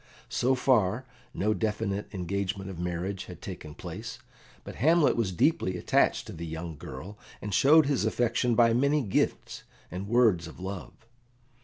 So far, no definite engagement of marriage had taken place, but Hamlet was deeply attached to the young girl, and showed his affection by many gifts and words of love.